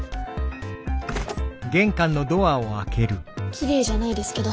きれいじゃないですけど。